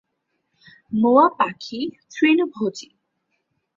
মোয়া পাখি তৃণভোজী।